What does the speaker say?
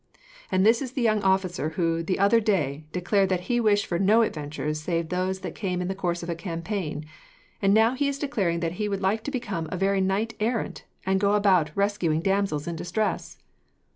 "And this is the young officer who, the other day, declared that he wished for no adventures save those that came in the course of a campaign, and now he is declaring that he would like to become a very knight errant, and go about rescuing damsels in distress!"